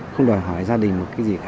không đòi hỏi gia đình một cái gì cả